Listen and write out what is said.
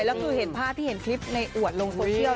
แล้วคือเห็นภาพที่เห็นคลิปในอวดลงโซเชียล